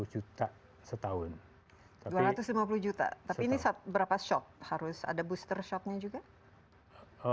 dua ratus lima puluh juta tapi ini berapa shop harus ada booster shopnya juga